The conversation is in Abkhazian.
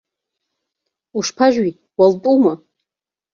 Ушԥажәи, уалтәума?